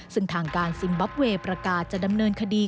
ซึ่งทางการซิมบับเวย์ประกาศจะดำเนินคดี